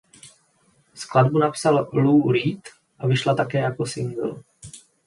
Skladbu napsal Lou Reed a vyšla také jako singl.